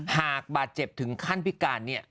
หากบาดเจ็บถึงขั้นพิการเนี่ย